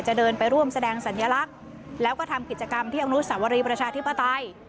เดินไปร่วมแสดงสัญลักษณ์แล้วก็ทำกิจกรรมที่อนุสาวรีประชาธิปไตย